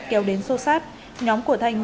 kéo đến sô sát nhóm của thành